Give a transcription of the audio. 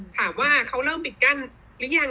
ถามว่าเขาเริ่มปิดกั้นหรือยัง